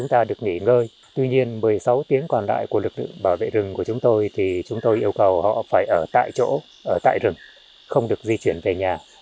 tuy nhiên một mươi sáu tiếng còn lại của lực lượng bảo vệ rừng của chúng tôi thì chúng tôi yêu cầu họ phải ở tại chỗ ở tại rừng không được di chuyển về nhà